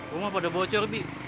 rumah pada bocor bi